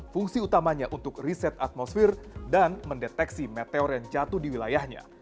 fungsi utamanya untuk riset atmosfer dan mendeteksi meteor yang jatuh di wilayahnya